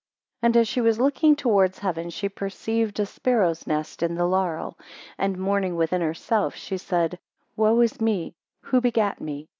AND as she was looking towards heaven she perceive a sparrow's nest in the laurel, 2 And mourning within herself, she said, Wo is me, who begat me?